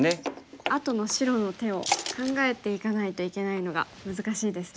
あとの白の手を考えていかないといけないのが難しいですね。